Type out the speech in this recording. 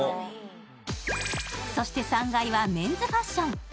そして３階はメンズファッション